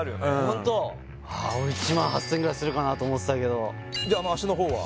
ホントああ俺１８０００ぐらいするかなと思ってたけどじゃあまあ足の方は？